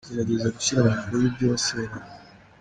Gerageza gushyira mu bikorwa ibyo waseranye.